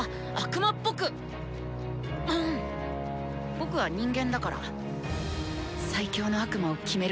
僕は人間だから最強の悪魔を決める